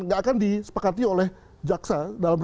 tidak akan disepakati oleh jaksa